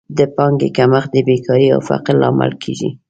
د پانګې کمښت د بېکارۍ او فقر لامل کیږي.